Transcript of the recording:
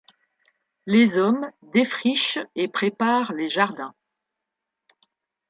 Les hommes défrichent et préparent les jardins.